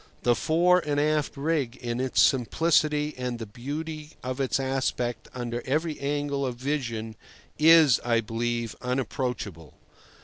The fore and aft rig in its simplicity and the beauty of its aspect under every angle of vision is, I believe, unapproachable.